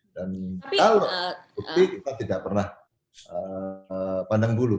dan kalau bukti kita tidak pernah pandang bulu